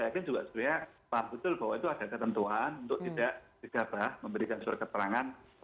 tapi ini juga sebetulnya paham betul bahwa itu ada ketentuan untuk tidak digabah memberikan surat keterangan